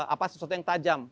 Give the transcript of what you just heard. apa sesuatu yang tajam